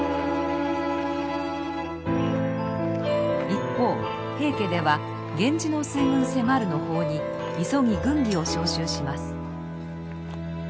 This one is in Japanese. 一方平家では「源氏の水軍迫る」の報に急ぎ軍議を招集します。